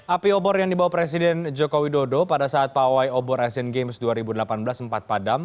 api obor yang dibawa presiden joko widodo pada saat pawai obor asian games dua ribu delapan belas sempat padam